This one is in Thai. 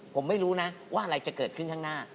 ผมไม่รู้นะว่าอะไรจะเกิดขึ้นข้างหน้า